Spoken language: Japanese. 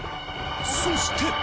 そして。